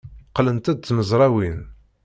Qqlent-d tmezrawin.